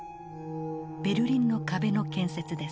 ベルリンの壁の建設です。